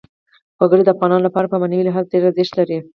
وګړي د افغانانو لپاره په معنوي لحاظ ډېر زیات ارزښت لري.